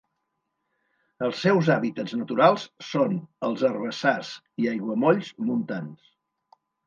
Els seus hàbitats naturals són els herbassars i aiguamolls montans.